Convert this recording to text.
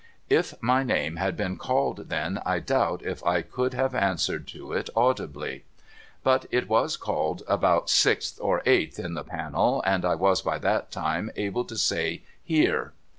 If my name had been called then, I doubt if' I could have COUNTING THE JURYMEN 403 answered to it audibly. But it was called about sixth or eighth in the panel, and I was by that time able to say ' Here